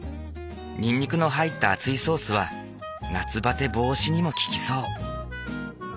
にんにくの入った熱いソースは夏バテ防止にも効きそう。